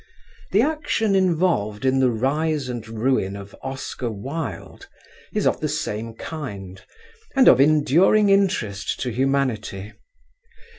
The action involved in the rise and ruin of Oscar Wilde is of the same kind and of enduring interest to humanity.